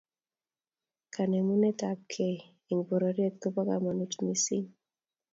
kanemunetab kei eng pororyet kopo kamanut missing